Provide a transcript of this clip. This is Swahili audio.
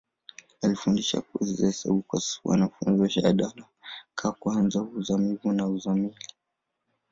Alifundisha kozi za hesabu kwa wanafunzi wa shahada ka kwanza, uzamivu na uzamili.